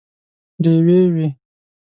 ډیوې وي